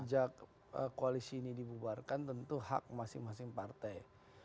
sejak koalisi ini dibubarkan tentu hak masing masing partai